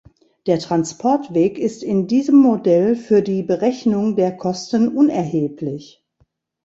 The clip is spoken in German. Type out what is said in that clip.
Der Transportweg ist in diesem Modell für die Berechnung der Kosten unerheblich.